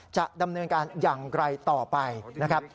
จะดำเนินการอย่างไรต่อไปนะครับ